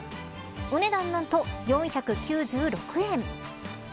お値段、何と４９６円。